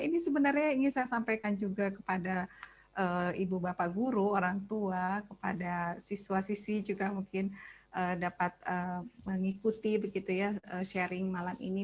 ini sebenarnya ingin saya sampaikan juga kepada ibu bapak guru orang tua kepada siswa siswi juga mungkin dapat mengikuti sharing malam ini